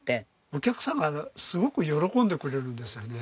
お客様がすごく喜んでくれるんですよね。